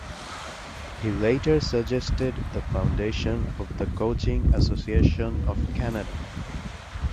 He later suggested the foundation of the Coaching Association of Canada.